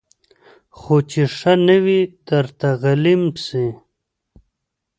خو چي ښه نه وي درته غلیم سي